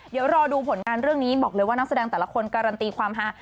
เดี๋ยวรอดูผลงานเรื่องนี้บอกเลยว่านักแสดงแต่ละคนการันตีความฮา